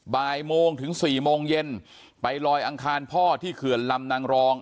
บ่ายโมงถึง๔โมงเย็นไปลอยอังคารพ่อที่เขื่อนลำนางรอง